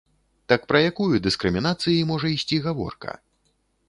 Так пра якую дыскрымінацыі можа ісці гаворка?